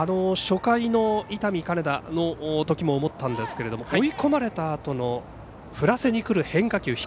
初回の伊丹、金田のときも思ったんですけれども追い込まれたあとの振らせにくる変化球